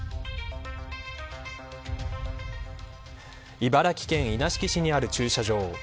茨城県稲敷市にある駐車場。